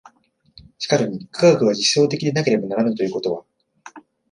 しかるに科学が実証的でなければならぬということは、